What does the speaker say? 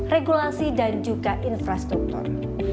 regulasi dan juga infrastruktur